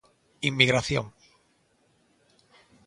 Inmigración.